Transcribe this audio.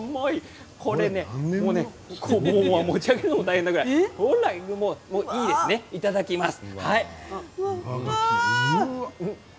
こちら持ち上げるのも大変なぐらい大きいですね、いただきます。